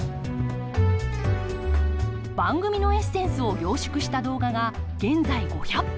番組のエッセンスを凝縮した動画が現在５００本。